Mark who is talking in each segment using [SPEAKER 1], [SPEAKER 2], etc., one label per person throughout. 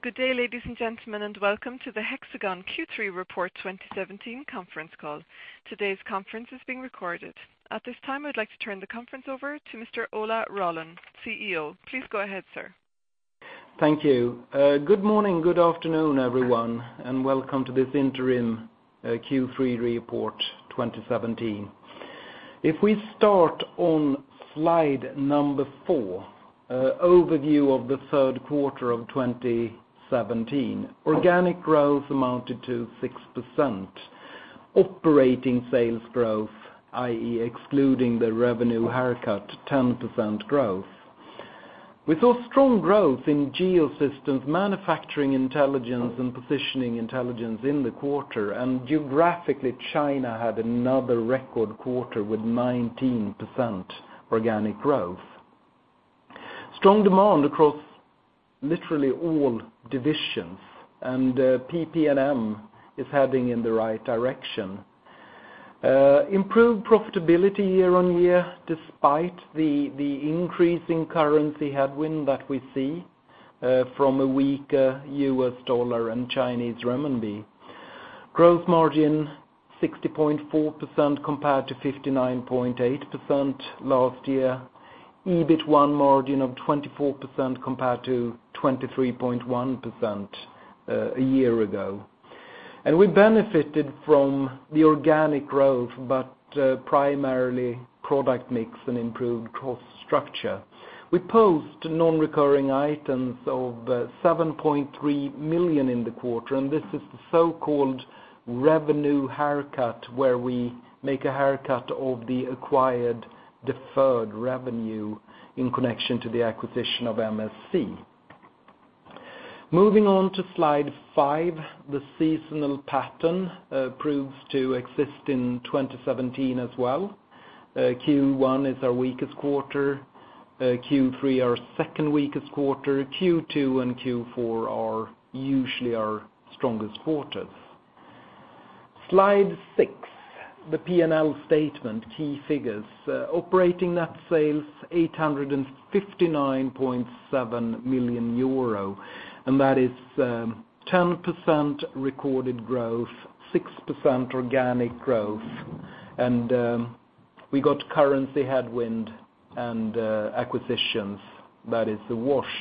[SPEAKER 1] Good day, ladies and gentlemen, welcome to the Hexagon Q3 Report 2017 conference call. Today's conference is being recorded. At this time, I would like to turn the conference over to Mr. Ola Rollén, CEO. Please go ahead, sir.
[SPEAKER 2] Thank you. Good morning, good afternoon, everyone, welcome to this interim Q3 Report 2017. If we start on slide number four, overview of the third quarter of 2017. Organic growth amounted to 6%. Operating sales growth, i.e., excluding the revenue haircut, 10% growth. We saw strong growth in Geosystems, Manufacturing Intelligence, and Positioning Intelligence in the quarter. Geographically, China had another record quarter with 19% organic growth. Strong demand across literally all divisions, PP&M is heading in the right direction. Improved profitability year-on-year, despite the increase in currency headwind that we see from a weaker US dollar and Chinese renminbi. Gross margin 60.4% compared to 59.8% last year. EBIT 1 margin of 24% compared to 23.1% a year ago. We benefited from the organic growth, primarily product mix and improved cost structure. We post non-recurring items of 7.3 million in the quarter, this is the so-called revenue haircut, where we make a haircut of the acquired deferred revenue in connection to the acquisition of MSC. Moving on to slide five, the seasonal pattern proves to exist in 2017 as well. Q1 is our weakest quarter, Q3 our second weakest quarter. Q2 and Q4 are usually our strongest quarters. Slide six, the P&L statement, key figures. Operating net sales 859.7 million euro, that is 10% recorded growth, 6% organic growth. We got currency headwind and acquisitions, that is the wash.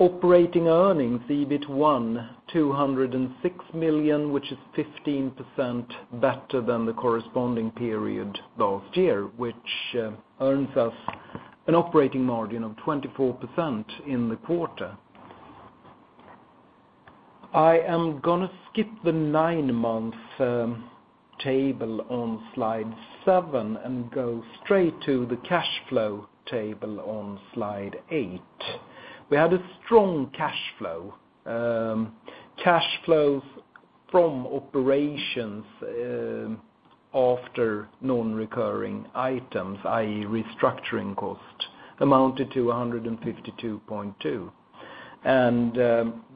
[SPEAKER 2] Operating earnings, EBIT 1, 206 million, which is 15% better than the corresponding period last year, which earns us an operating margin of 24% in the quarter. I am going to skip the nine-month table on slide seven and go straight to the cash flow table on slide eight. We had a strong cash flow. Cash flows from operations after non-recurring items, i.e., restructuring cost, amounted to 152.2 million,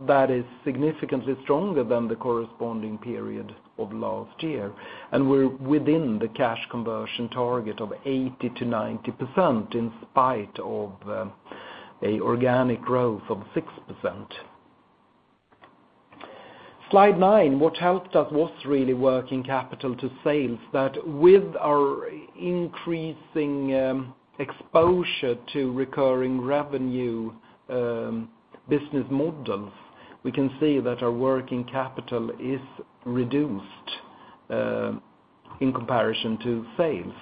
[SPEAKER 2] that is significantly stronger than the corresponding period of last year. We're within the cash conversion target of 80%-90%, in spite of a organic growth of 6%. Slide nine, what helped us was really working capital to sales, that with our increasing exposure to recurring revenue business models, we can see that our working capital is reduced in comparison to sales.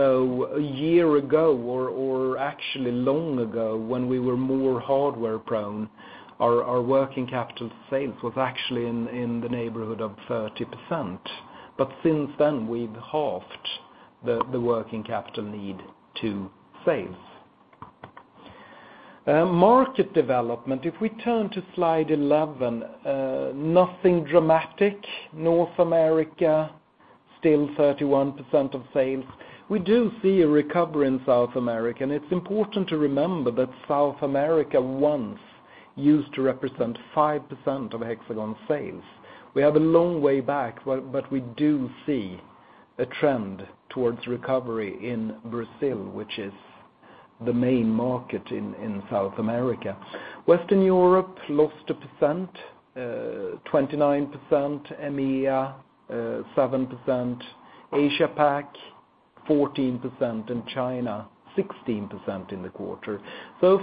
[SPEAKER 2] A year ago or actually long ago, when we were more hardware-prone, our working capital sales was actually in the neighborhood of 30%, since then, we've halved the working capital need to sales. Market development. If we turn to slide 11, nothing dramatic. North America, still 31% of sales. We do see a recovery in South America. It's important to remember that South America once used to represent 5% of Hexagon sales. We have a long way back, but we do see a trend towards recovery in Brazil, which is the main market in South America. Western Europe lost a percent, 29%, EMEA 7%, Asia Pac 14%, and China 16% in the quarter.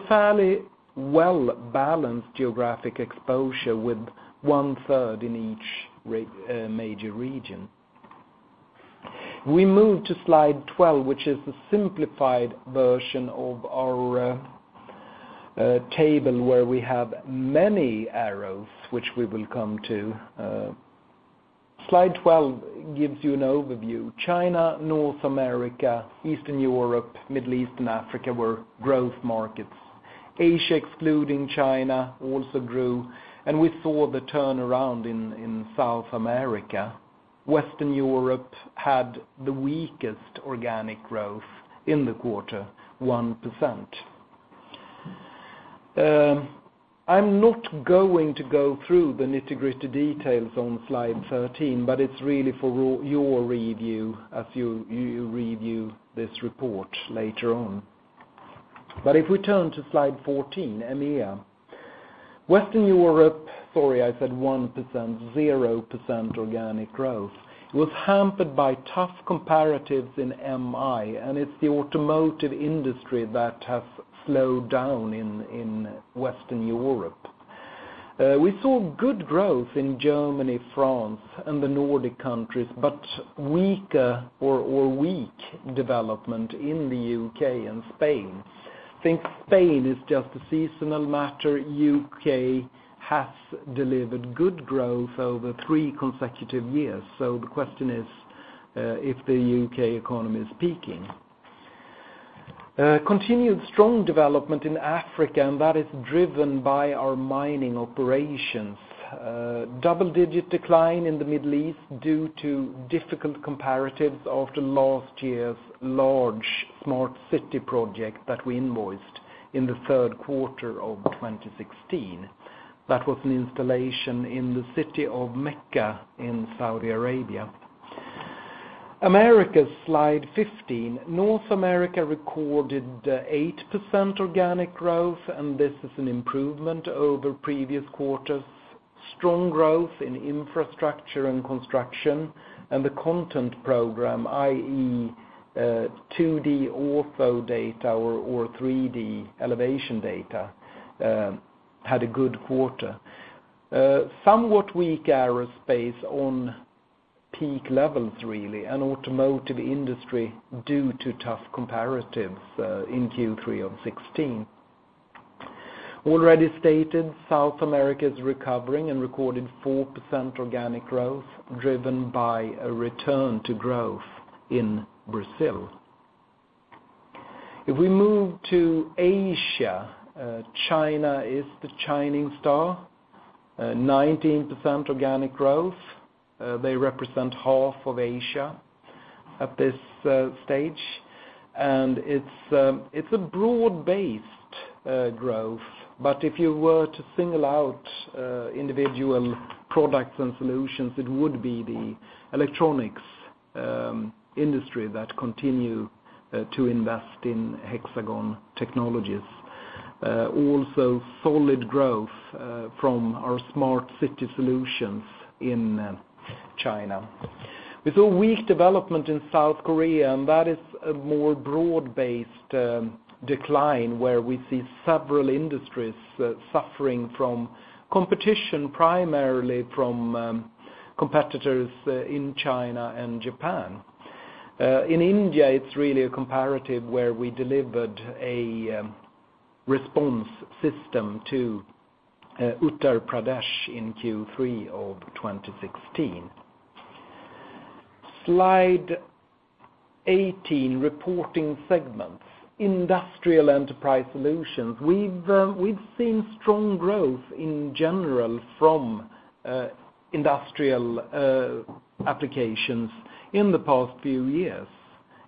[SPEAKER 2] Fairly well-balanced geographic exposure with one-third in each major region. We move to slide 12, which is the simplified version of our table where we have many arrows, which we will come to. Slide 12 gives you an overview. China, North America, Eastern Europe, Middle East, and Africa were growth markets. Asia, excluding China, also grew, and we saw the turnaround in South America. Western Europe had the weakest organic growth in the quarter, 1%. I'm not going to go through the nitty-gritty details on slide 13. It's really for your review as you review this report later on. If we turn to slide 14, EMEA. Western Europe, sorry, I said 1%, 0% organic growth, was hampered by tough comparatives in MI, and it's the automotive industry that has slowed down in Western Europe. We saw good growth in Germany, France, and the Nordic countries, but weaker or weak development in the U.K. and Spain. Think Spain is just a seasonal matter. U.K. has delivered good growth over three consecutive years. The question is if the U.K. economy is peaking. Continued strong development in Africa, and that is driven by our mining operations. Double-digit decline in the Middle East due to difficult comparatives after last year's large smart city project that we invoiced in the third quarter of 2016. That was an installation in the city of Mecca in Saudi Arabia. Americas, slide 15. North America recorded 8% organic growth. This is an improvement over previous quarters. Strong growth in infrastructure and construction and the content program, i.e., 2D ortho data or 3D elevation data, had a good quarter. Somewhat weak aerospace on peak levels, really, and automotive industry due to tough comparatives in Q3 of 2016. Already stated, South America is recovering and recorded 4% organic growth, driven by a return to growth in Brazil. If we move to Asia, China is the shining star, 19% organic growth. They represent half of Asia at this stage. It's a broad-based growth. If you were to single out individual products and solutions, it would be the electronics industry that continue to invest in Hexagon technologies. Also, solid growth from our smart city solutions in China. We saw weak development in South Korea. That is a more broad-based decline where we see several industries suffering from competition, primarily from competitors in China and Japan. In India, it's really a comparative where we delivered a response system to Uttar Pradesh in Q3 of 2016. Slide 18, reporting segments. Industrial Enterprise Solutions. We've seen strong growth in general from industrial applications in the past few years.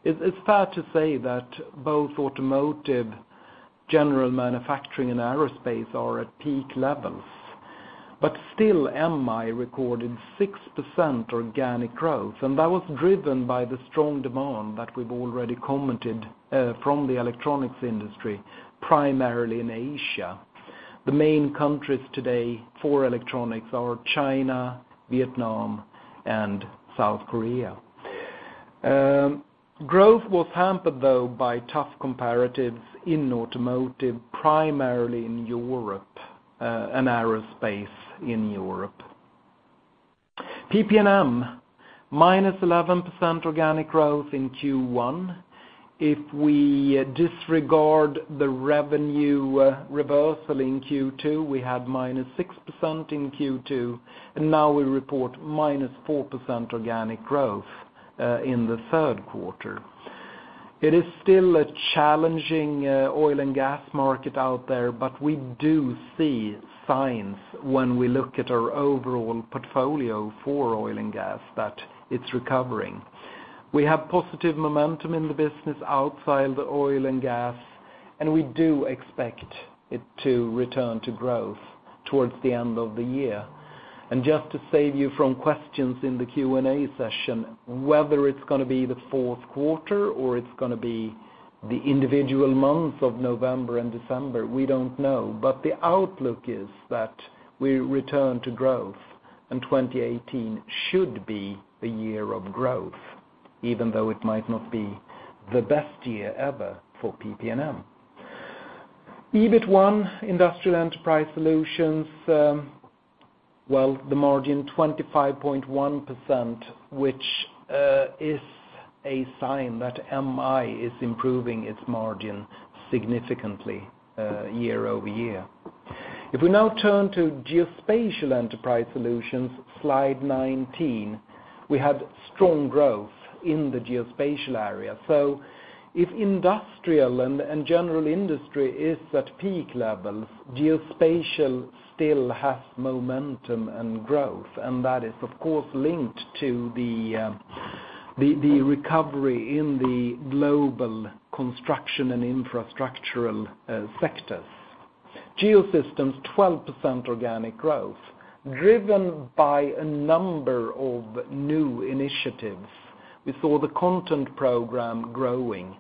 [SPEAKER 2] It's fair to say that both automotive, general manufacturing, and aerospace are at peak levels. Still, MI recorded 6% organic growth. That was driven by the strong demand that we've already commented from the electronics industry, primarily in Asia. The main countries today for electronics are China, Vietnam, and South Korea. Growth was hampered, though, by tough comparatives in automotive, primarily in Europe, and aerospace in Europe. PP&M, minus 11% organic growth in Q1. If we disregard the revenue reversal in Q2, we had -6% in Q2, and now we report -4% organic growth in the third quarter. It is still a challenging oil and gas market out there, but we do see signs when we look at our overall portfolio for oil and gas that it's recovering. We have positive momentum in the business outside the oil and gas, and we do expect it to return to growth towards the end of the year. Just to save you from questions in the Q&A session, whether it's going to be the fourth quarter or it's going to be the individual months of November and December, we don't know. But the outlook is that we return to growth, and 2018 should be the year of growth, even though it might not be the best year ever for PP&M. EBIT 1, Industrial Enterprise Solutions, well, the margin 25.1%, which is a sign that MI is improving its margin significantly year over year. If we now turn to Geospatial Enterprise Solutions, slide 19, we had strong growth in the geospatial area. If industrial and general industry is at peak levels, geospatial still has momentum and growth, and that is, of course, linked to the recovery in the global construction and infrastructural sectors. Geosystems, 12% organic growth, driven by a number of new initiatives. We saw the HxGN Content Program growing.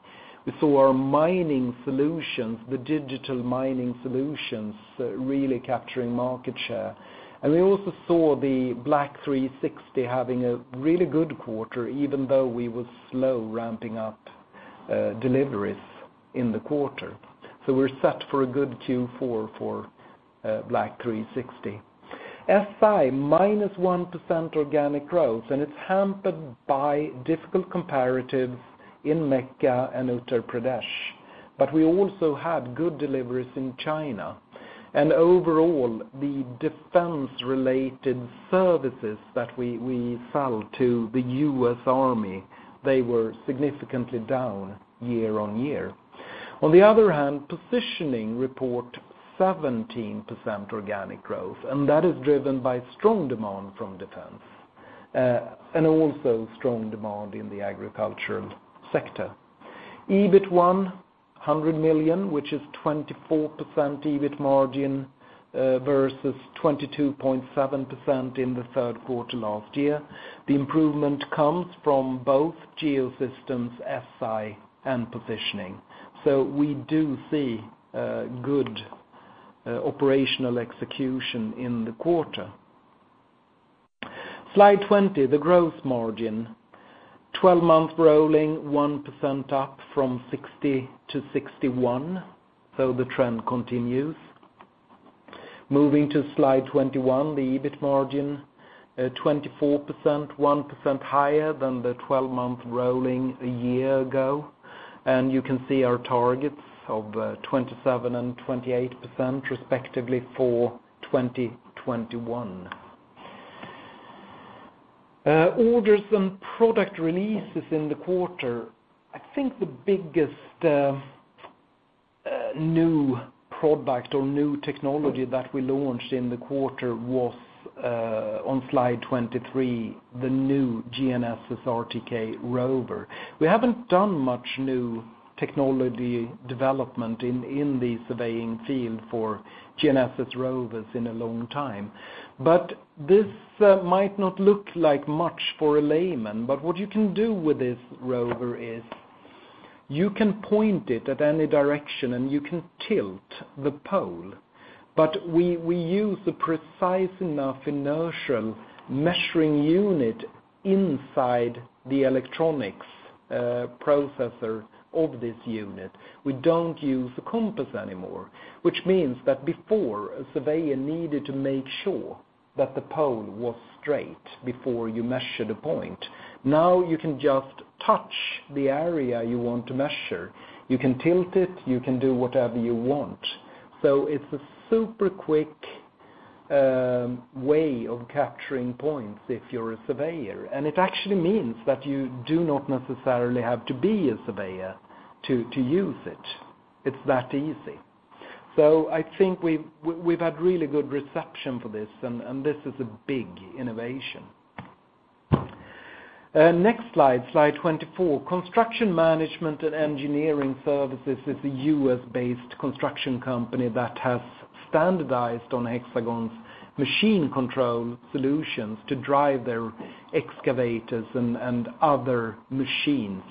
[SPEAKER 2] We saw our mining solutions, the digital mining solutions, really capturing market share. And we also saw the BLK360 having a really good quarter, even though we were slow ramping up deliveries in the quarter. We're set for a good Q4 for BLK360. SG&I, -1% organic growth, and it's hampered by difficult comparatives in Mecca and Uttar Pradesh. We also had good deliveries in China, and overall, the defense-related services that we sell to the US Army, they were significantly down year on year. On the other hand, Positioning report 17% organic growth, and that is driven by strong demand from defense, and also strong demand in the agricultural sector. EBIT 1, 100 million, which is 24% EBIT margin, versus 22.7% in the third quarter last year. The improvement comes from both Geosystems, SG&I, and Positioning. We do see good operational execution in the quarter. Slide 20, the growth margin. 12 months rolling, 1% up from 60% to 61%, so the trend continues. Moving to slide 21, the EBIT margin, 24%, 1% higher than the 12-month rolling a year ago. And you can see our targets of 27% and 28% respectively for 2021. Orders and product releases in the quarter. The biggest new product or new technology that we launched in the quarter was, on Slide 23, the new GNSS RTK rover. We haven't done much new technology development in the surveying field for GNSS rovers in a long time. This might not look like much for a layman, but what you can do with this rover is you can point it at any direction and you can tilt the pole. But we use a precise enough inertial measuring unit inside the electronics processor of this unit. We don't use a compass anymore. Which means that before, a surveyor needed to make sure that the pole was straight before you measured a point. You can just touch the area you want to measure. You can tilt it, you can do whatever you want. It's a super quick way of capturing points if you're a surveyor. It actually means that you do not necessarily have to be a surveyor to use it. It's that easy. I think we've had really good reception for this, and this is a big innovation. Next slide 24. Construction Management and Engineering Services is a U.S.-based construction company that has standardized on Hexagon's machine control solutions to drive their excavators and other machines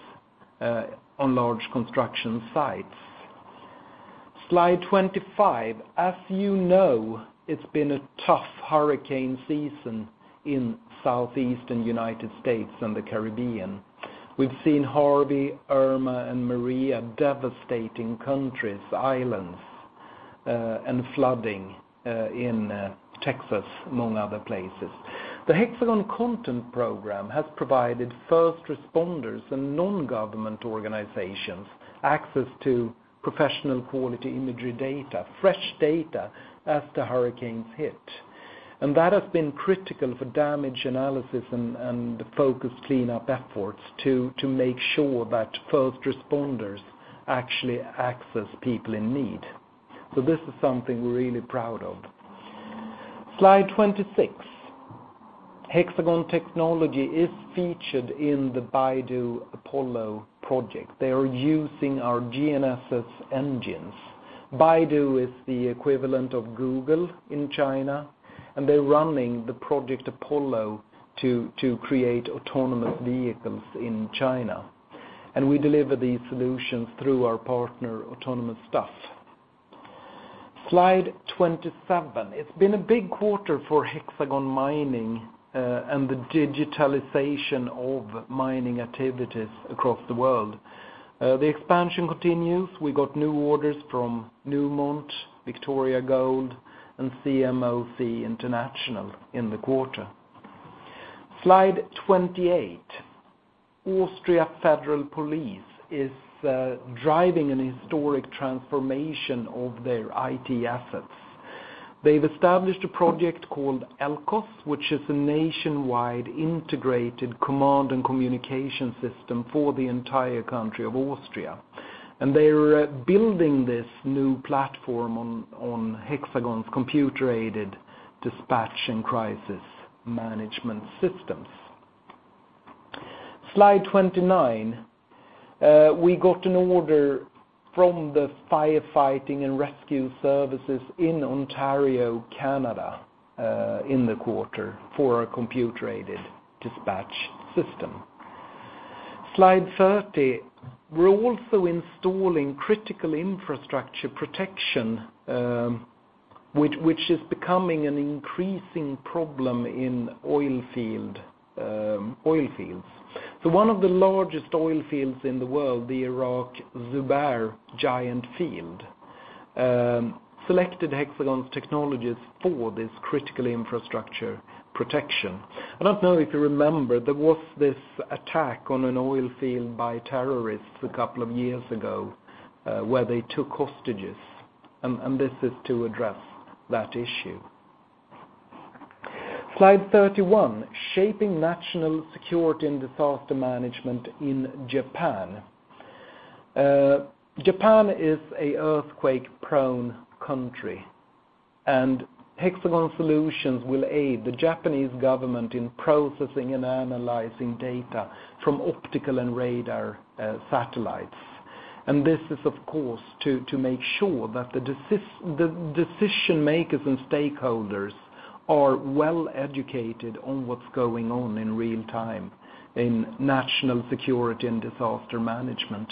[SPEAKER 2] on large construction sites. Slide 25. As you know, it's been a tough hurricane season in southeastern U.S. and the Caribbean. We've seen Harvey, Irma, and Maria devastating countries, islands, and flooding in Texas, among other places. The HxGN Content Program has provided first responders and non-government organizations access to professional quality imagery data, fresh data as the hurricanes hit. That has been critical for damage analysis and the focused cleanup efforts to make sure that first responders actually access people in need. This is something we're really proud of. Slide 26. Hexagon technology is featured in the Baidu Apollo project. They are using our GNSS engines. Baidu is the equivalent of Google in China, and they're running the project Apollo to create autonomous vehicles in China. We deliver these solutions through our partner, AutonomouStuff. Slide 27. It's been a big quarter for Hexagon Mining and the digitalization of mining activities across the world. The expansion continues. We got new orders from Newmont, Victoria Gold, and CMOC International in the quarter. Slide 28. Austria Federal Police is driving an historic transformation of their IT assets. They've established a project called ELKOS, which is a nationwide integrated command and communication system for the entire country of Austria. They're building this new platform on Hexagon's computer-aided dispatch and crisis management systems. Slide 29. We got an order from the firefighting and rescue services in Ontario, Canada in the quarter for a computer-aided dispatch system. Slide 30. We're also installing critical infrastructure protection, which is becoming an increasing problem in oil fields. One of the largest oil fields in the world, the Iraq Zubair giant field, selected Hexagon's technologies for this critical infrastructure protection. I don't know if you remember, there was this attack on an oil field by terrorists a couple of years ago, where they took hostages, and this is to address that issue. Slide 31. Shaping national security and disaster management in Japan. Japan is a earthquake-prone country, Hexagon solutions will aid the Japanese government in processing and analyzing data from optical and radar satellites. This is, of course, to make sure that the decision makers and stakeholders are well-educated on what's going on in real time in national security and disaster management.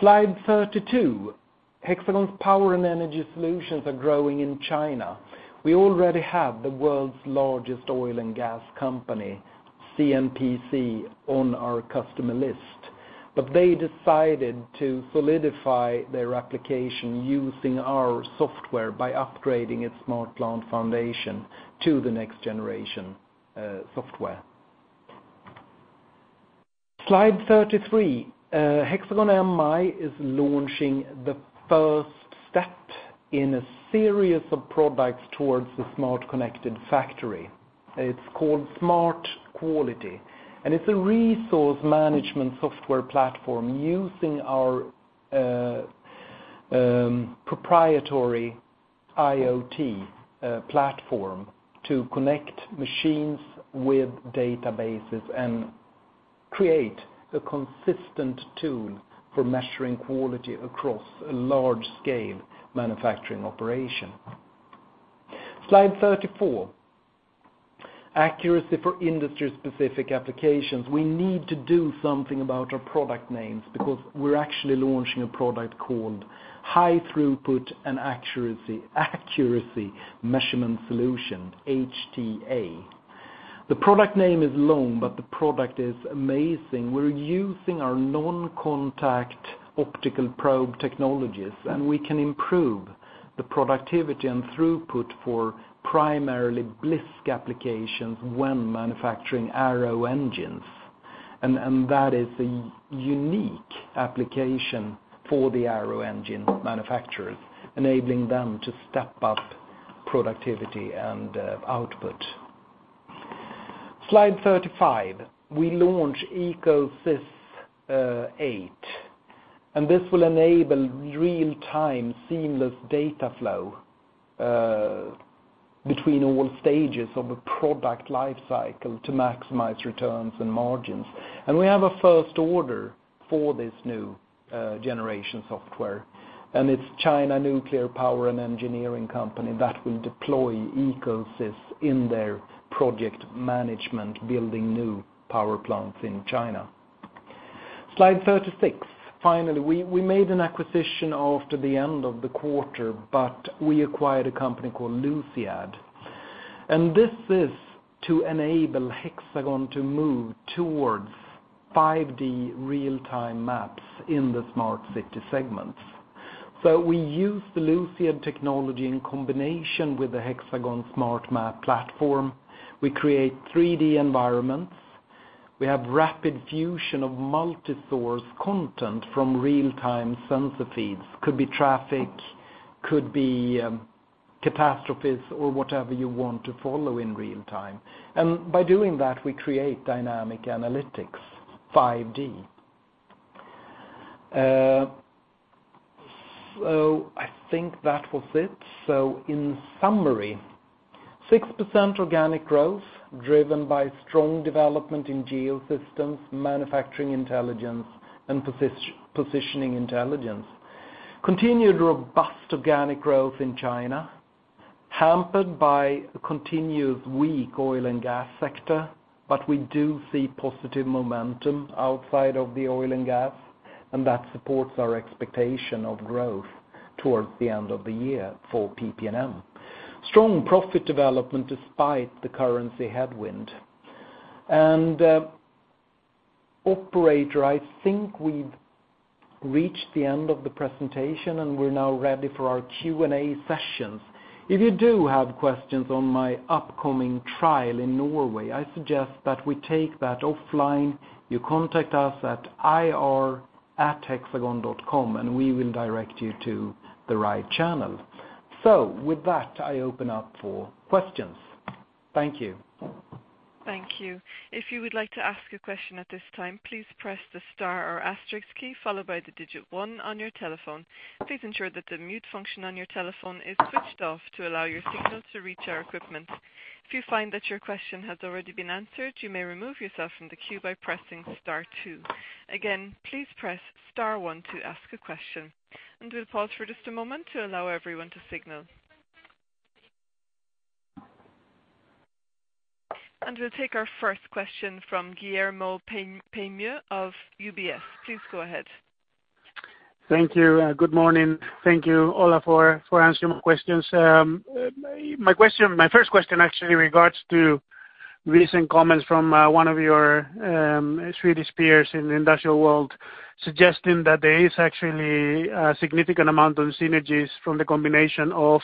[SPEAKER 2] Slide 32. Hexagon's power and energy solutions are growing in China. We already have the world's largest oil and gas company, CNPC, on our customer list. They decided to solidify their application using our software by upgrading its SmartPlant Foundation to the next generation software. Slide 33. Hexagon MI is launching the first step in a series of products towards the smart connected factory. It's called SMART Quality, and it's a resource management software platform using our proprietary IoT platform to connect machines with databases and create a consistent tool for measuring quality across a large-scale manufacturing operation. Slide 34. Accuracy for industry-specific applications. We need to do something about our product names because we're actually launching a product called High Throughput and Accuracy Measurement Solution, HTA. The product name is long, but the product is amazing. We're using our non-contact optical probe technologies, we can improve the productivity and throughput for primarily BLISK applications when manufacturing aero engines. That is a unique application for the aero engine manufacturers, enabling them to step up productivity and output. Slide 35. We launch EcoSys 8, this will enable real-time seamless data flow between all stages of a product life cycle to maximize returns and margins. We have a first order for this new generation software, it's China Nuclear Power Engineering Company that will deploy EcoSys in their project management, building new power plants in China. Slide 36. Finally, we made an acquisition after the end of the quarter, we acquired a company called Luciad, this is to enable Hexagon to move towards 5D real-time maps in the smart city segments. We use the Luciad technology in combination with the Hexagon Smart M.App platform. We create 3D environments. We have rapid fusion of multi-source content from real-time sensor feeds, could be traffic, could be catastrophes or whatever you want to follow in real time. By doing that, we create dynamic analytics, 5D. I think that was it. In summary, 6% organic growth driven by strong development in Geosystems, Manufacturing Intelligence, and Positioning Intelligence. Continued robust organic growth in China, hampered by a continuous weak oil and gas sector, we do see positive momentum outside of the oil and gas, that supports our expectation of growth towards the end of the year for PP&M. Strong profit development despite the currency headwind. Operator, I think we've reached the end of the presentation, we're now ready for our Q&A sessions. If you do have questions on my upcoming trial in Norway, I suggest that we take that offline. You contact us at ir@hexagon.com, we will direct you to the right channel. With that, I open up for questions. Thank you.
[SPEAKER 1] Thank you. If you would like to ask a question at this time, please press the star or asterisk key followed by the digit 1 on your telephone. Please ensure that the mute function on your telephone is switched off to allow your signal to reach our equipment. If you find that your question has already been answered, you may remove yourself from the queue by pressing star 2. Again, please press star 1 to ask a question. We'll pause for just a moment to allow everyone to signal. We'll take our first question from Guillermo Peigneux of UBS. Please go ahead.
[SPEAKER 3] Thank you. Good morning. Thank you, Ola, for answering my questions. My first question actually regards to recent comments from one of your Swedish peers in the industrial world, suggesting that there is actually a significant amount of synergies from the combination of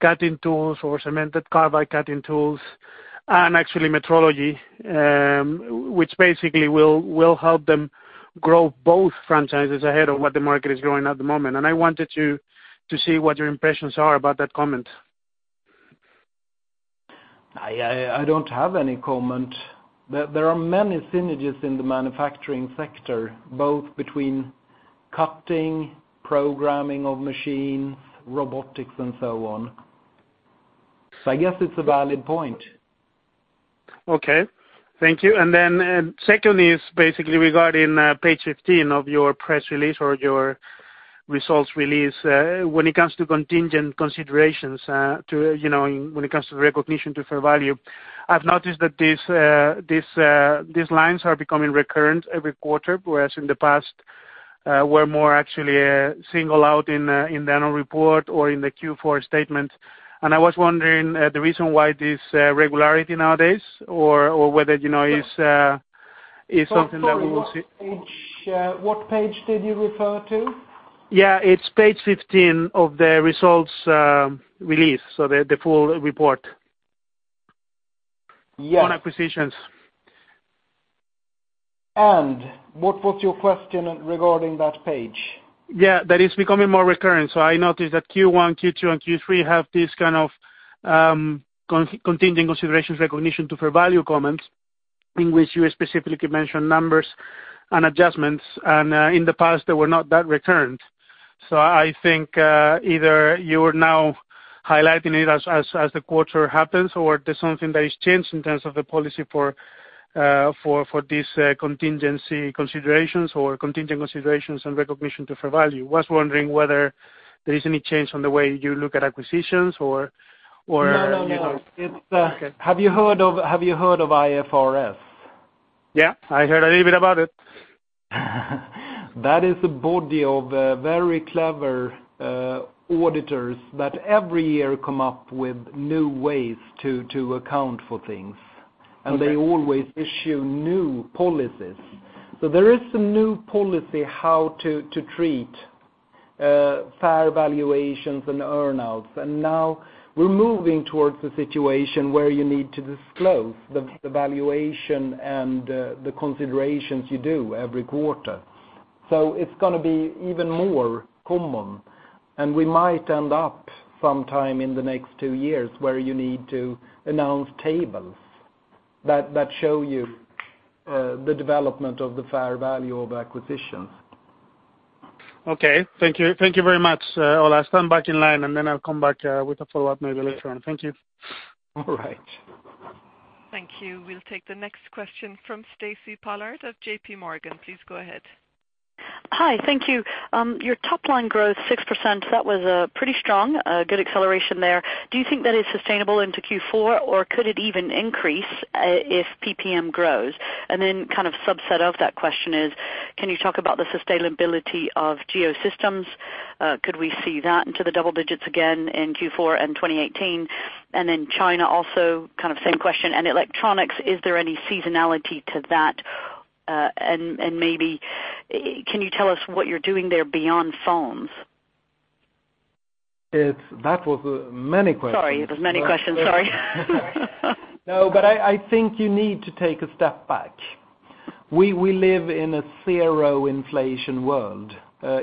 [SPEAKER 3] cutting tools or cemented carbide cutting tools and actually metrology, which basically will help them grow both franchises ahead of what the market is growing at the moment. I wanted to see what your impressions are about that comment.
[SPEAKER 2] I don't have any comment. There are many synergies in the manufacturing sector, both between cutting, programming of machines, robotics, and so on. I guess it's a valid point.
[SPEAKER 3] Okay. Thank you. Secondly is basically regarding page 15 of your press release or your results release. When it comes to contingent considerations, when it comes to recognition to fair value, I've noticed that these lines are becoming recurrent every quarter, whereas in the past, were more actually singled out in the annual report or in the Q4 statement. I was wondering the reason why this regularity nowadays or whether it's something that we will see.
[SPEAKER 2] Sorry, what page did you refer to?
[SPEAKER 3] Yeah, it's page 15 of the results release, so the full report.
[SPEAKER 2] Yes.
[SPEAKER 3] On acquisitions.
[SPEAKER 2] What was your question regarding that page?
[SPEAKER 3] Yeah, that it's becoming more recurrent. I noticed that Q1, Q2, and Q3 have this kind of contingent considerations recognition to fair value comments, in which you specifically mentioned numbers and adjustments. In the past, they were not that recurrent. I think either you are now highlighting it as the quarter happens, or there's something that has changed in terms of the policy for these contingency considerations or contingent considerations and recognition to fair value. Was wondering whether there is any change from the way you look at acquisitions.
[SPEAKER 2] No.
[SPEAKER 3] Okay.
[SPEAKER 2] Have you heard of IFRS?
[SPEAKER 3] Yeah, I heard a little bit about it.
[SPEAKER 2] That is a body of very clever auditors that every year come up with new ways to account for things.
[SPEAKER 3] Okay.
[SPEAKER 2] They always issue new policies. There is some new policy how to treat fair valuations and earn-outs. Now we're moving towards a situation where you need to disclose the valuation and the considerations you do every quarter. It's going to be even more common, and we might end up sometime in the next two years where you need to announce tables that show you the development of the fair value of acquisitions.
[SPEAKER 3] Okay. Thank you very much, Ola Rollén. I'll stand back in line, then I'll come back with a follow-up maybe later on. Thank you.
[SPEAKER 2] All right.
[SPEAKER 1] Thank you. We'll take the next question from Stacy Pollard of J.P. Morgan. Please go ahead.
[SPEAKER 4] Hi. Thank you. Your top-line growth 6%, that was pretty strong, good acceleration there. Do you think that is sustainable into Q4, or could it even increase if PPM grows? Kind of subset of that question is, can you talk about the sustainability of Geosystems? Could we see that into the double digits again in Q4 and 2018? China also, kind of same question. Electronics, is there any seasonality to that? Maybe can you tell us what you're doing there beyond phones?
[SPEAKER 2] That was many questions.
[SPEAKER 4] Sorry, it was many questions. Sorry.
[SPEAKER 2] I think you need to take a step back. We live in a zero inflation world.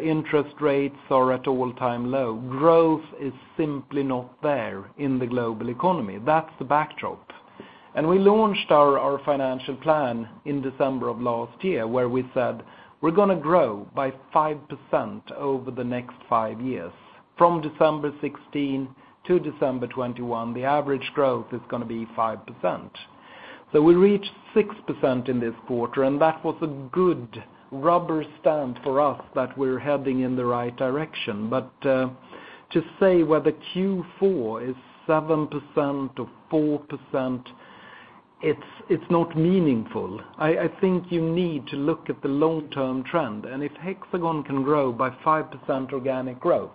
[SPEAKER 2] Interest rates are at all-time low. Growth is simply not there in the global economy. That's the backdrop. We launched our financial plan in December of last year, where we said we're going to grow by 5% over the next five years. From December 2016 to December 2021, the average growth is going to be 5%. We reached 6% in this quarter, and that was a good rubber stamp for us that we're heading in the right direction. But to say whether Q4 is 7% or 4%, it's not meaningful. I think you need to look at the long-term trend, and if Hexagon can grow by 5% organic growth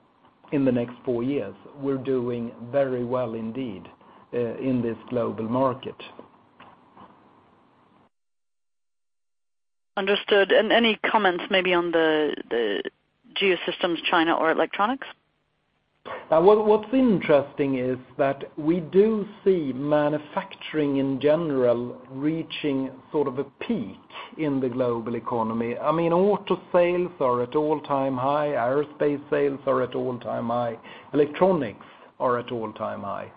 [SPEAKER 2] in the next four years, we're doing very well indeed in this global market.
[SPEAKER 4] Understood. Any comments maybe on the Geosystems, China, or electronics?
[SPEAKER 2] What's interesting is that we do see manufacturing in general reaching sort of a peak in the global economy. Auto sales are at all-time high, aerospace sales are at all-time high, electronics are at all-time high.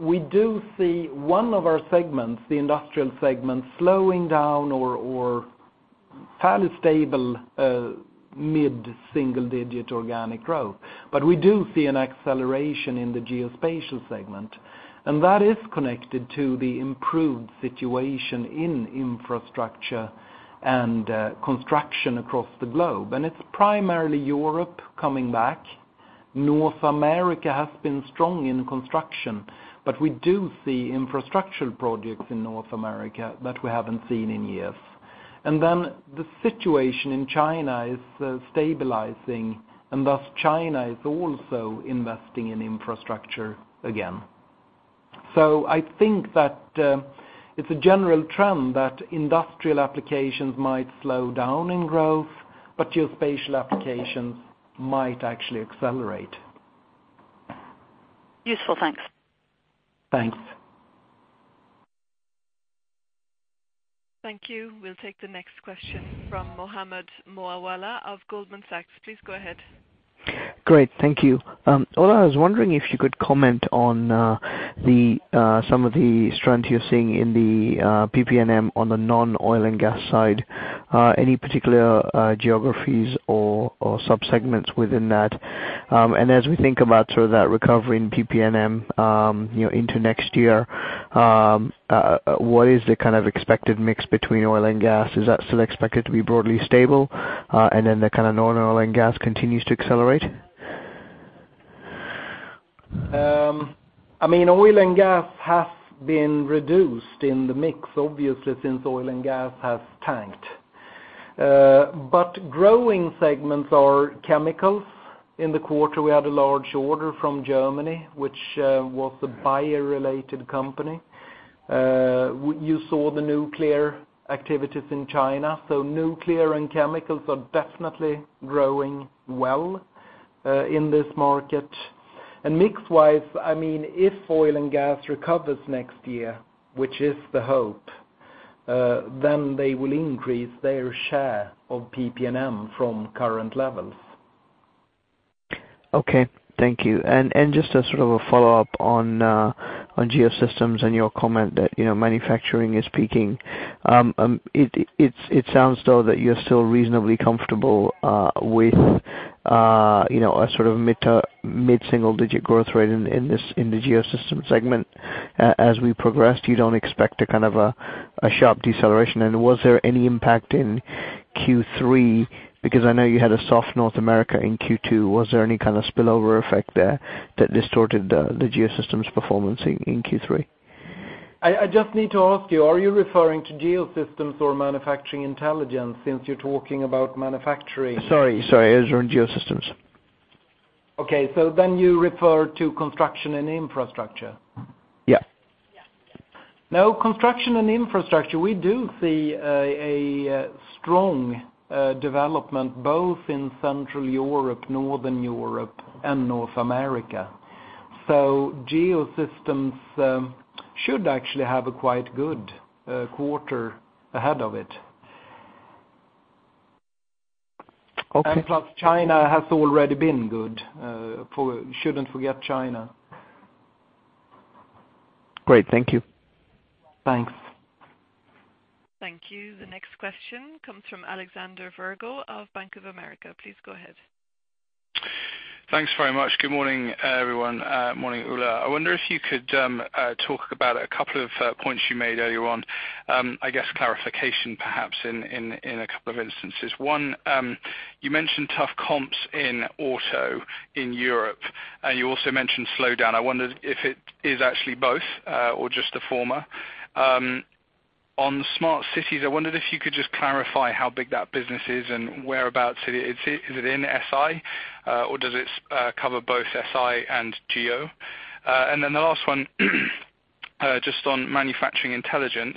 [SPEAKER 2] We do see one of our segments, the Industrial Segment, slowing down or fairly stable mid-single-digit organic growth. We do see an acceleration in the Geospatial Segment, and that is connected to the improved situation in infrastructure and construction across the globe. It's primarily Europe coming back. North America has been strong in construction. We do see infrastructure projects in North America that we haven't seen in years. The situation in China is stabilizing, and thus China is also investing in infrastructure again. I think that it's a general trend that industrial applications might slow down in growth, but geospatial applications might actually accelerate.
[SPEAKER 4] Useful. Thanks.
[SPEAKER 2] Thanks.
[SPEAKER 1] Thank you. We'll take the next question from Mohammed Moawalla of Goldman Sachs. Please go ahead.
[SPEAKER 5] Great. Thank you. Ola, I was wondering if you could comment on some of the strength you're seeing in the PP&M on the non-oil and gas side. Any particular geographies or sub-segments within that? As we think about that recovery in PP&M into next year, what is the kind of expected mix between oil and gas? Is that still expected to be broadly stable? The kind of non-oil and gas continues to accelerate?
[SPEAKER 2] Oil and gas have been reduced in the mix, obviously, since oil and gas has tanked. Growing segments are chemicals. In the quarter, we had a large order from Germany, which was a buyer-related company. You saw the nuclear activities in China, so nuclear and chemicals are definitely growing well in this market. Mix-wise, if oil and gas recovers next year, which is the hope, then they will increase their share of PP&M from current levels.
[SPEAKER 5] Okay. Thank you. Just as sort of a follow-up on Geosystems and your comment that manufacturing is peaking. It sounds though that you're still reasonably comfortable with a sort of mid-single-digit growth rate in the Geosystems segment. As we progress, you don't expect a sharp deceleration. Was there any impact in Q3? Because I know you had a soft North America in Q2. Was there any kind of spillover effect there that distorted the Geosystems performance in Q3?
[SPEAKER 2] I just need to ask you, are you referring to Geosystems or Manufacturing Intelligence since you're talking about manufacturing?
[SPEAKER 5] Sorry. It was around Geosystems.
[SPEAKER 2] Okay. You refer to construction and infrastructure.
[SPEAKER 5] Yeah.
[SPEAKER 2] Construction and infrastructure, we do see a strong development both in Central Europe, Northern Europe, and North America. Geosystems should actually have a quite good quarter ahead of it.
[SPEAKER 5] Okay.
[SPEAKER 2] China has already been good. Shouldn't forget China.
[SPEAKER 5] Great. Thank you.
[SPEAKER 2] Thanks.
[SPEAKER 1] Thank you. The next question comes from Alexander Virgo of Bank of America. Please go ahead.
[SPEAKER 6] Thanks very much. Good morning, everyone. Morning, Ola. I wonder if you could talk about a couple of points you made earlier on, I guess clarification perhaps in a couple of instances. One, you mentioned tough comps in auto in Europe. You also mentioned slowdown. I wonder if it is actually both or just the former. On smart cities, I wondered if you could just clarify how big that business is and whereabouts it is. Is it in SI or does it cover both SI and Geo? Then the last one, just on Manufacturing Intelligence.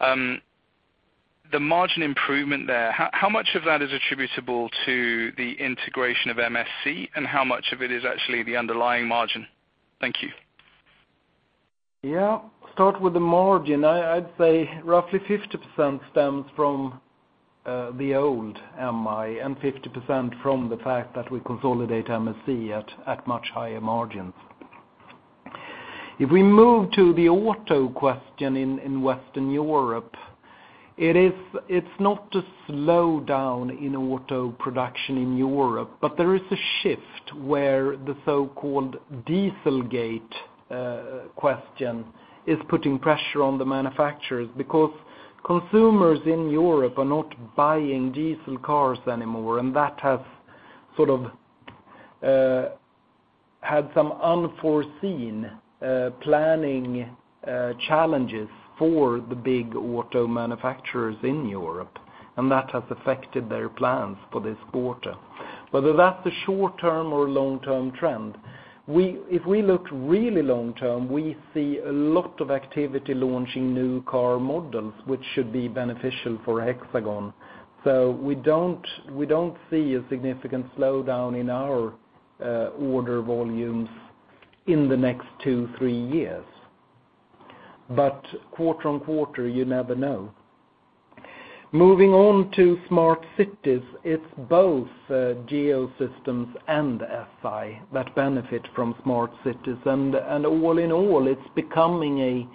[SPEAKER 6] The margin improvement there, how much of that is attributable to the integration of MSC, and how much of it is actually the underlying margin? Thank you.
[SPEAKER 2] Yeah. Start with the margin. I'd say roughly 50% stems from the old MI, 50% from the fact that we consolidate MSC at much higher margins. If we move to the auto question in Western Europe, it's not a slowdown in auto production in Europe. There is a shift where the so-called Dieselgate question is putting pressure on the manufacturers because consumers in Europe are not buying diesel cars anymore. That has sort of had some unforeseen planning challenges for the big auto manufacturers in Europe, and that has affected their plans for this quarter. Whether that's a short-term or long-term trend, if we look really long term, we see a lot of activity launching new car models, which should be beneficial for Hexagon. We don't see a significant slowdown in our order volumes In the next two, three years. Quarter on quarter, you never know. Moving on to smart cities, it's both Geosystems and SI that benefit from smart cities. All in all, it's becoming a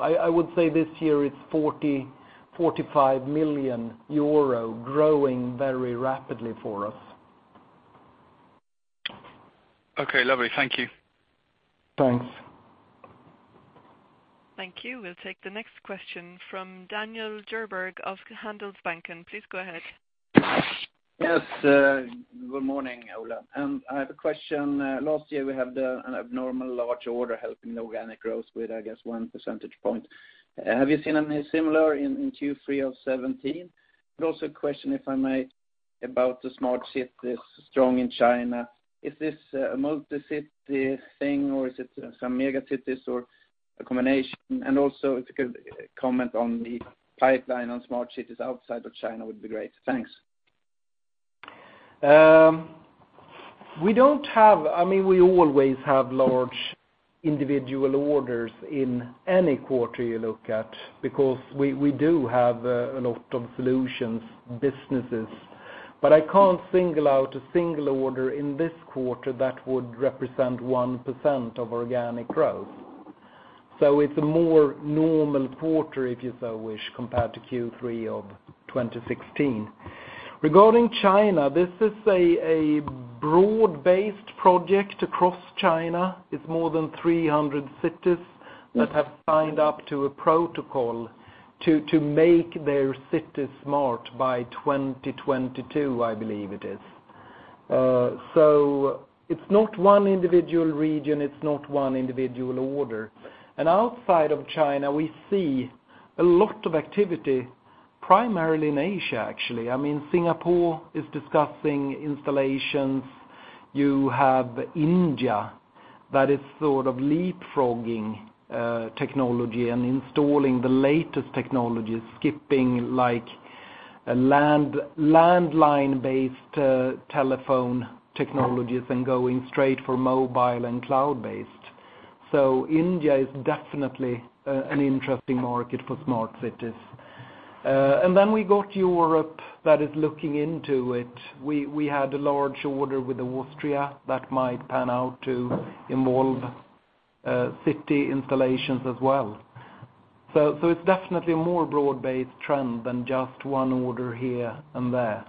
[SPEAKER 2] I would say this year it's 40, 45 million euro growing very rapidly for us.
[SPEAKER 6] Okay, lovely. Thank you.
[SPEAKER 2] Thanks.
[SPEAKER 1] Thank you. We'll take the next question from Daniel Djurberg of Handelsbanken. Please go ahead.
[SPEAKER 7] Yes. Good morning, Ola. I have a question. Last year, we had an abnormal large order helping organic growth with, I guess, one percentage point. Have you seen any similar in Q3 of 2017? Also a question, if I may, about the smart cities strong in China. Is this a multi-city thing or is it some mega cities or a combination? Also, if you could comment on the pipeline on smart cities outside of China would be great. Thanks.
[SPEAKER 2] We always have large individual orders in any quarter you look at because we do have a lot of solutions, businesses. I can't single out a single order in this quarter that would represent 1% of organic growth. It's a more normal quarter, if you so wish, compared to Q3 of 2016. Regarding China, this is a broad-based project across China. It's more than 300 cities that have signed up to a protocol to make their cities smart by 2022, I believe it is. It's not one individual region, it's not one individual order. Outside of China, we see a lot of activity, primarily in Asia, actually. Singapore is discussing installations. You have India that is sort of leapfrogging technology and installing the latest technologies, skipping landline-based telephone technologies and going straight for mobile and cloud-based. India is definitely an interesting market for smart cities. We got Europe that is looking into it. We had a large order with Austria that might pan out to involve city installations as well. It's definitely a more broad-based trend than just one order here and there.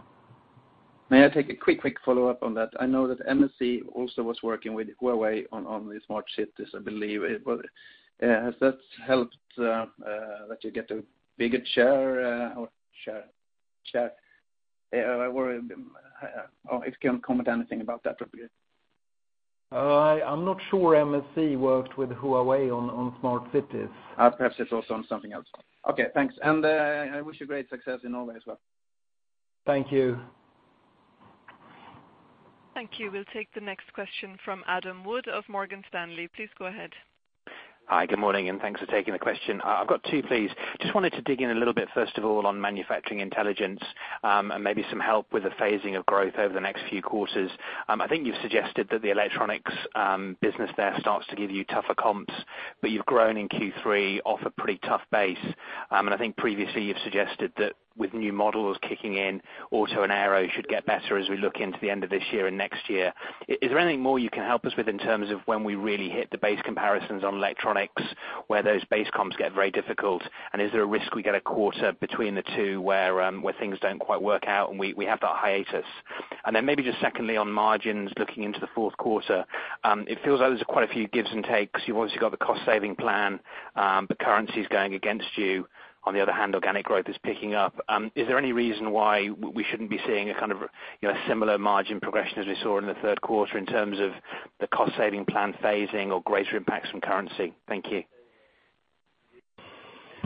[SPEAKER 7] May I take a quick follow-up on that? I know that MSC also was working with Huawei on the smart cities, I believe. Has that helped that you get a bigger share? If you can't comment anything about that'd be great.
[SPEAKER 2] I'm not sure MSC worked with Huawei on smart cities.
[SPEAKER 7] Perhaps it's also on something else. Okay, thanks. I wish you great success in Norway as well.
[SPEAKER 2] Thank you.
[SPEAKER 1] Thank you. We'll take the next question from Adam Wood of Morgan Stanley. Please go ahead.
[SPEAKER 8] Hi, good morning, thanks for taking the question. I've got two, please. Just wanted to dig in a little bit, first of all, on Manufacturing Intelligence, and maybe some help with the phasing of growth over the next few quarters. I think you've suggested that the electronics business there starts to give you tougher comps, but you've grown in Q3 off a pretty tough base. I think previously you've suggested that with new models kicking in, Auto and Aero should get better as we look into the end of this year and next year. Is there anything more you can help us with in terms of when we really hit the base comparisons on electronics, where those base comps get very difficult? Is there a risk we get a quarter between the two where things don't quite work out, and we have that hiatus? Then maybe just secondly, on margins, looking into the fourth quarter, it feels like there's quite a few gives and takes. You've obviously got the cost-saving plan, but currency's going against you. On the other hand, organic growth is picking up. Is there any reason why we shouldn't be seeing a similar margin progression as we saw in the third quarter in terms of the cost-saving plan phasing or greater impacts from currency? Thank you.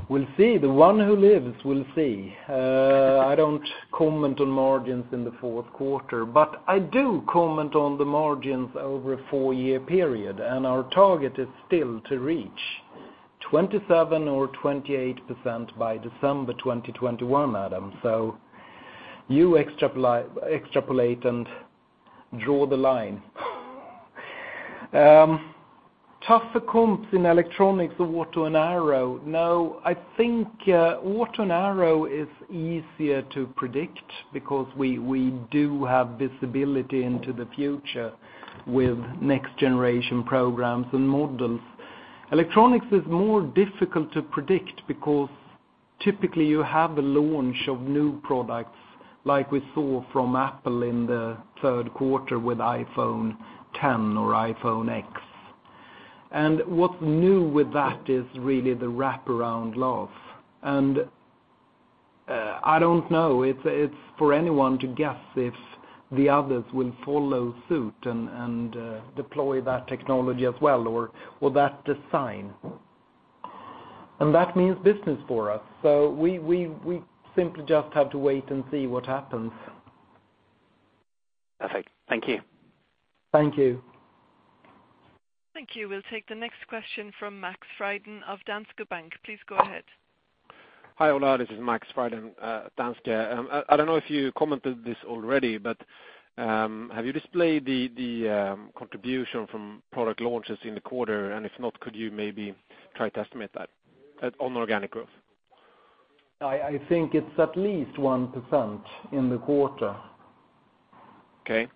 [SPEAKER 2] We'll see. The one who lives will see. I don't comment on margins in the fourth quarter, but I do comment on the margins over a four-year period, and our target is still to reach 27% or 28% by December 2021, Adam. You extrapolate and draw the line. Tougher comps in electronics or Auto and Aero. No, I think Auto and Aero is easier to predict because we do have visibility into the future with next generation programs and models. Electronics is more difficult to predict because typically you have a launch of new products like we saw from Apple in the third quarter with iPhone 10 or iPhone X. What's new with that is really the wraparound OLED. I don't know. It's for anyone to guess if the others will follow suit and deploy that technology as well, or that design. That means business for us. We simply just have to wait and see what happens.
[SPEAKER 8] Perfect. Thank you.
[SPEAKER 2] Thank you.
[SPEAKER 1] Thank you. We'll take the next question from Maxime Fyden of Danske Bank. Please go ahead.
[SPEAKER 9] Hi, Ola. This is Maxime Fyden at Danske. I don't know if you commented this already, have you displayed the contribution from product launches in the quarter? If not, could you maybe try to estimate that on organic growth?
[SPEAKER 2] I think it's at least 1% in the quarter.
[SPEAKER 9] Okay.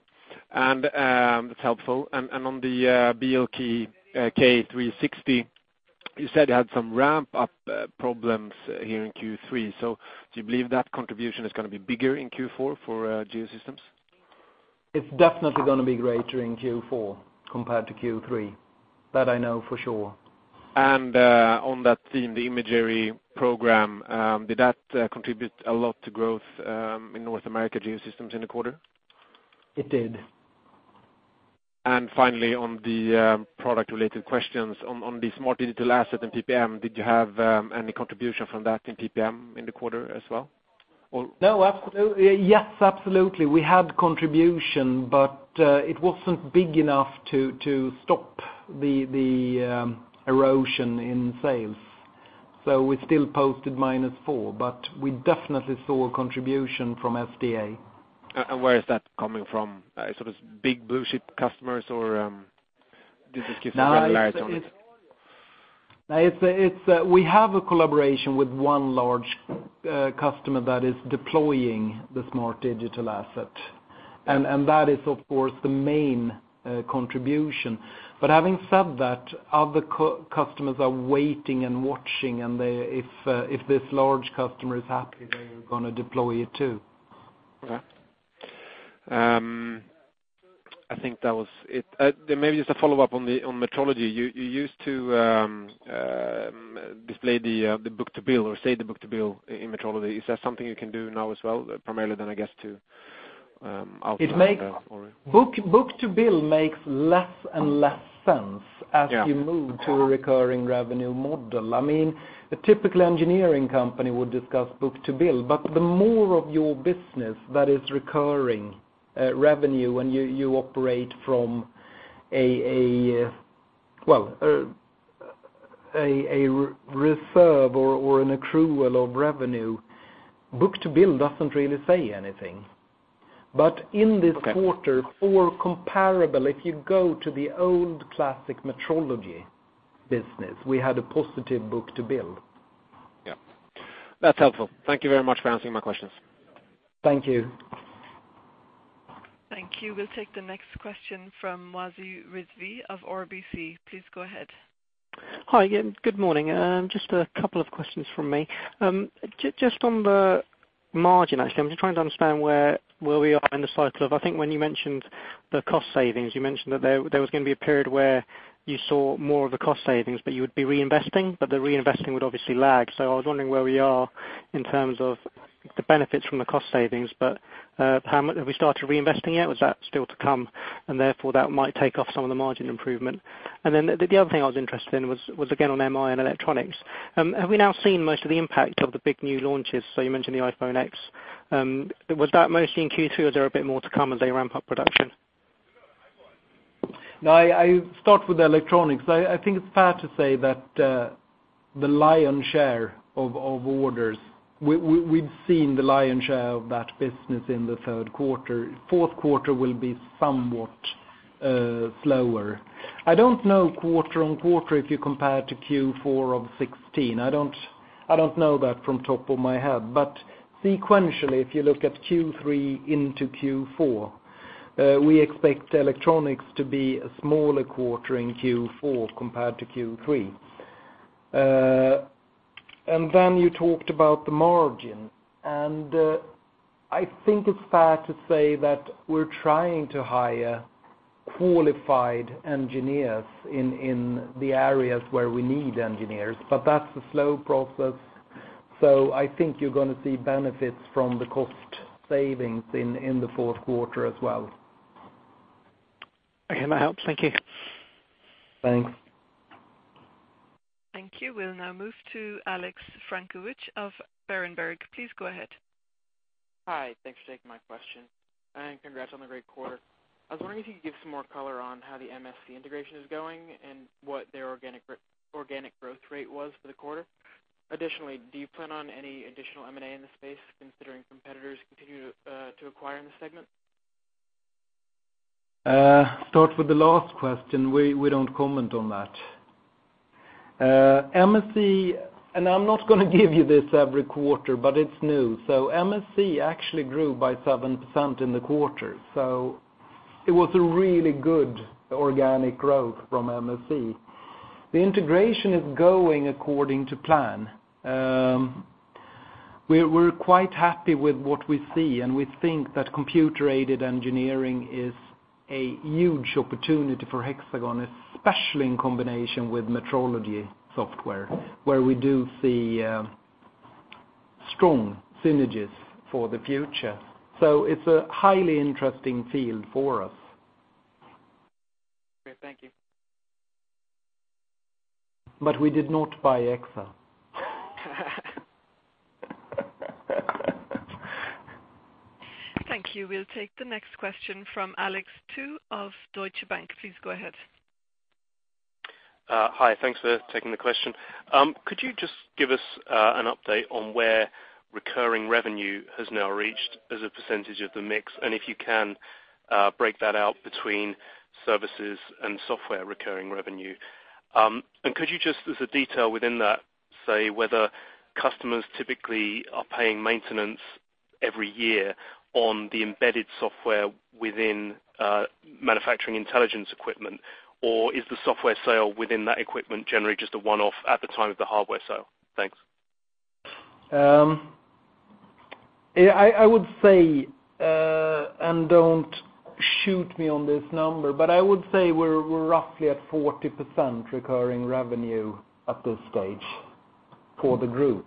[SPEAKER 9] That's helpful. On the BLK360, you said you had some ramp-up problems here in Q3. Do you believe that contribution is going to be bigger in Q4 for Geosystems?
[SPEAKER 2] It's definitely going to be greater in Q4 compared to Q3. That I know for sure.
[SPEAKER 9] On that theme, the imagery program, did that contribute a lot to growth in North America Geosystems in the quarter?
[SPEAKER 2] It did.
[SPEAKER 9] Finally, on the product-related questions, on the Smart Digital Asset and PPM, did you have any contribution from that in PPM in the quarter as well?
[SPEAKER 2] Yes, absolutely. We had contribution, it wasn't big enough to stop the erosion in sales. We still posted minus 4%, we definitely saw a contribution from SDA.
[SPEAKER 9] Where is that coming from? Is it big blue-chip customers, or did this give some granularity on it?
[SPEAKER 2] We have a collaboration with one large customer that is deploying the Smart Digital Asset. That is, of course, the main contribution. Having said that, other customers are waiting and watching, and if this large customer is happy, they are going to deploy it too.
[SPEAKER 9] Okay. I think that was it. Maybe just a follow-up on metrology. You used to display the book-to-bill or state the book-to-bill in metrology. Is that something you can do now as well? Primarily then, I guess, to outline-
[SPEAKER 2] Book-to-bill makes less and less sense as you move to a recurring revenue model. A typical engineering company would discuss book-to-bill, the more of your business that is recurring revenue and you operate from a reserve or an accrual of revenue, book-to-bill doesn't really say anything. In this quarter, for comparable, if you go to the old classic metrology business, we had a positive book-to-bill.
[SPEAKER 9] Yep. That's helpful. Thank you very much for answering my questions.
[SPEAKER 2] Thank you.
[SPEAKER 1] Thank you. We'll take the next question from Wasi Rizvi of RBC. Please go ahead.
[SPEAKER 10] Hi, good morning. Just a couple of questions from me. Just on the margin, actually, I'm just trying to understand where we are in the cycle of, I think when you mentioned the cost savings, you mentioned that there was going to be a period where you saw more of the cost savings, but you would be reinvesting, but the reinvesting would obviously lag. I was wondering where we are in terms of the benefits from the cost savings, but have we started reinvesting yet? Was that still to come, and therefore that might take off some of the margin improvement? The other thing I was interested in was again on MI and electronics. Have we now seen most of the impact of the big new launches? You mentioned the iPhone X. Was that mostly in Q2 or is there a bit more to come as they ramp up production?
[SPEAKER 2] No, I start with electronics. I think it's fair to say that the lion's share of orders, we've seen the lion's share of that business in the third quarter. Fourth quarter will be somewhat slower. I don't know quarter on quarter if you compare to Q4 of '16. I don't know that from top of my head. Sequentially, if you look at Q3 into Q4, we expect electronics to be a smaller quarter in Q4 compared to Q3. You talked about the margin. I think it's fair to say that we're trying to hire qualified engineers in the areas where we need engineers, but that's a slow process. I think you're going to see benefits from the cost savings in the fourth quarter as well.
[SPEAKER 10] Okay, that helps. Thank you.
[SPEAKER 2] Thanks.
[SPEAKER 1] Thank you. We'll now move to Alexander Franke of Berenberg. Please go ahead.
[SPEAKER 11] Hi. Thanks for taking my question, and congrats on the great quarter. I was wondering if you could give some more color on how the MSC integration is going and what their organic growth rate was for the quarter. Do you plan on any additional M&A in the space, considering competitors continue to acquire in the segment?
[SPEAKER 2] Start with the last question. We don't comment on that. I'm not going to give you this every quarter, but it's new. MSC actually grew by 7% in the quarter. It was a really good organic growth from MSC. The integration is going according to plan. We're quite happy with what we see, and we think that computer-aided engineering is a huge opportunity for Hexagon, especially in combination with metrology software, where we do see strong synergies for the future. It's a highly interesting field for us.
[SPEAKER 11] Okay, thank you.
[SPEAKER 2] We did not buy Exa.
[SPEAKER 1] Thank you. We'll take the next question from Alexander Tout of Deutsche Bank. Please go ahead.
[SPEAKER 12] Hi. Thanks for taking the question. Could you just give us an update on where recurring revenue has now reached as a percentage of the mix, and if you can, break that out between services and software recurring revenue. Could you just, as a detail within that, say whether customers typically are paying maintenance every year on the embedded software within Manufacturing Intelligence equipment, or is the software sale within that equipment generally just a one-off at the time of the hardware sale? Thanks.
[SPEAKER 2] I would say, and don't shoot me on this number, but I would say we're roughly at 40% recurring revenue at this stage for the group.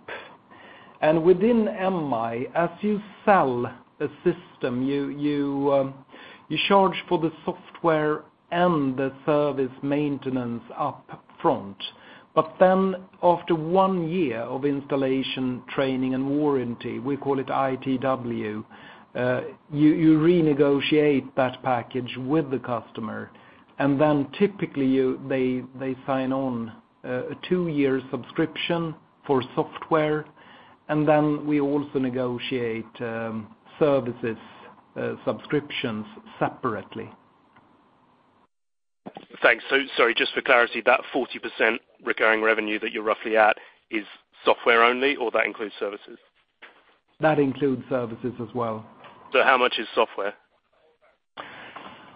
[SPEAKER 2] Within MI, as you sell a system, you charge for the software and the service maintenance up front, but then after one year of installation, training, and warranty, we call it ITW, you renegotiate that package with the customer, and then typically they sign on a two-year subscription for software, and then we also negotiate services subscriptions separately.
[SPEAKER 12] Thanks. Sorry, just for clarity, that 40% recurring revenue that you're roughly at is software only, or that includes services?
[SPEAKER 2] That includes services as well.
[SPEAKER 12] How much is software?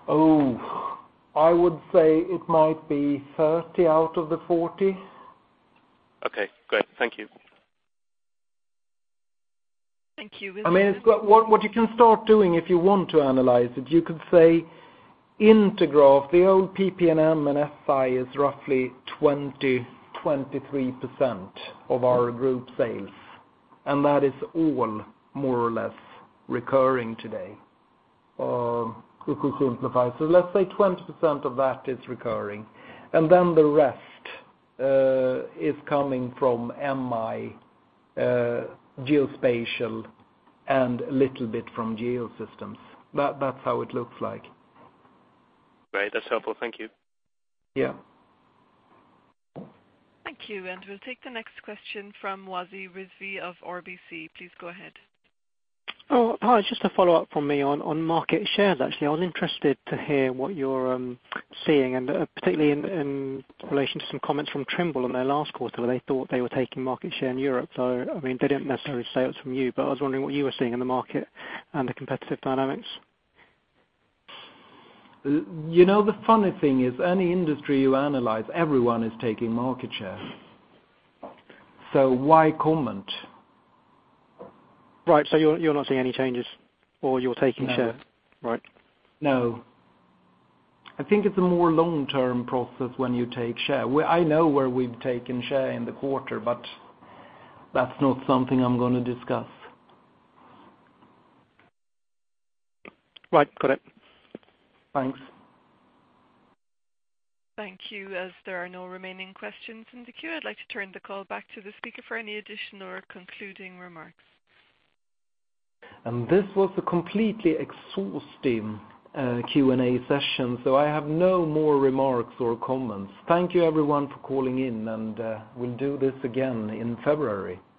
[SPEAKER 2] Oh, I would say it might be 30 out of the 40.
[SPEAKER 12] Okay, great. Thank you.
[SPEAKER 1] Thank you.
[SPEAKER 2] What you can start doing if you want to analyze it, you could say Intergraph, the old PP&M and SI is roughly 20%-23% of our group sales, and that is all more or less recurring today. You could simplify. Let's say 20% of that is recurring. The rest is coming from MI, geospatial, and a little bit from Geosystems. That's how it looks like.
[SPEAKER 12] Great. That's helpful. Thank you.
[SPEAKER 2] Yeah.
[SPEAKER 1] Thank you. We'll take the next question from Wasi Rizvi of RBC. Please go ahead.
[SPEAKER 10] Oh, hi. Just a follow-up from me on market shares, actually. I was interested to hear what you're seeing, and particularly in relation to some comments from Trimble on their last quarter, where they thought they were taking market share in Europe. They didn't necessarily say it was from you, but I was wondering what you were seeing in the market and the competitive dynamics.
[SPEAKER 2] The funny thing is, any industry you analyze, everyone is taking market share. Why comment?
[SPEAKER 10] Right. You're not seeing any changes, or you're taking share?
[SPEAKER 2] No.
[SPEAKER 10] Right.
[SPEAKER 2] No. I think it's a more long-term process when you take share. I know where we've taken share in the quarter, but that's not something I'm going to discuss.
[SPEAKER 10] Right. Got it.
[SPEAKER 2] Thanks.
[SPEAKER 1] Thank you. As there are no remaining questions in the queue, I'd like to turn the call back to the speaker for any additional or concluding remarks.
[SPEAKER 2] This was a completely exhausting Q&A session, so I have no more remarks or comments. Thank you, everyone, for calling in, and we'll do this again in February. Goodbye